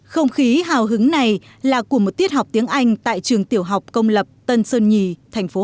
không khí hào hứng này là của một tiết học tiếng anh tại trường tiểu học công lập tân sơn nhì tp hcm